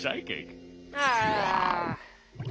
ああ。